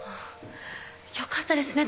よかったですね